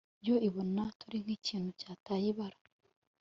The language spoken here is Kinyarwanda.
yo ibona turi nk'ikintu cyataye ibara